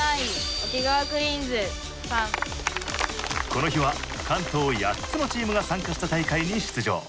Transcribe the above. この日は関東８つのチームが参加した大会に出場。